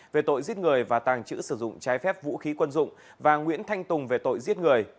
về tội giết người và tàng trữ sử dụng trái phép vũ khí quân dụng và nguyễn thanh tùng về tội giết người